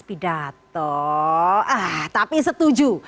ya toh ah tapi setuju